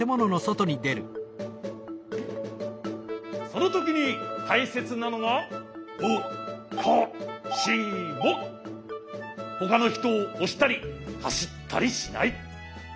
そのときにたいせつなのがほかのひとをおしたりはしったりしない。